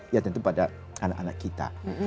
ya tentu pada anak anak kita